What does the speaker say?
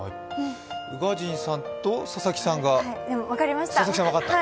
宇賀神さんと佐々木さんが分かった？